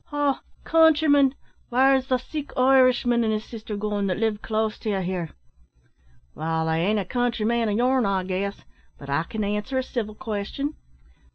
"Ho! countryman, where's the sick Irishman and his sister gone, that lived close to ye here?" "Wall, I ain't a countryman o' yourn, I guess; but I can answer a civil question.